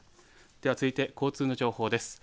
では続いて交通の情報です。